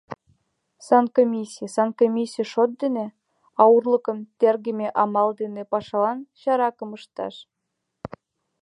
Санкомиссий — санкомиссий шот дене, а арулыкым тергыме амал дене пашалан чаракым ышташ?